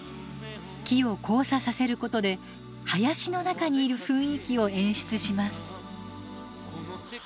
木を交差させることで林の中にいる雰囲気を演出します。